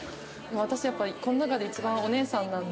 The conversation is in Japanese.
私やっぱりこの中で一番お姉さんなんで。